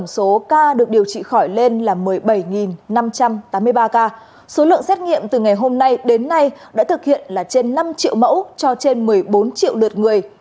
số lượng xét nghiệm từ ngày hôm nay đến nay đã thực hiện là trên năm triệu mẫu cho trên một mươi bốn triệu lượt người